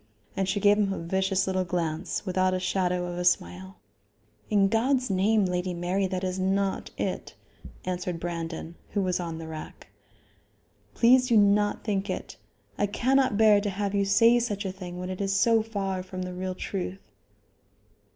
And she gave him a vicious little glance without a shadow of a smile. "In God's name, Lady Mary, that is not it," answered Brandon, who was on the rack. "Please do not think it. I cannot bear to have you say such a thing when it is so far from the real truth."